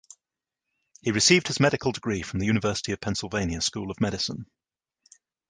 He received his medical degree from the University of Pennsylvania School of Medicine.